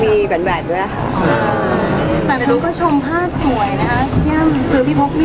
ไม่ค่อยเบอร์ค่ะคือพัฒนาขึ้น